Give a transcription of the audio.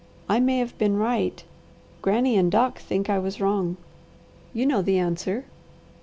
I may have been right; Granny and Doc think I was wrong. You know the answer.